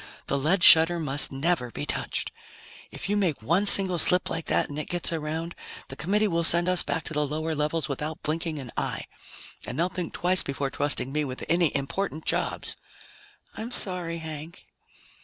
The lead shutter must never be touched! If you make one single slip like that and it gets around, the Committee will send us back to the lower levels without blinking an eye. And they'll think twice before trusting me with any important jobs." "I'm sorry, Hank."